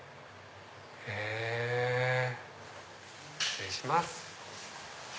失礼します。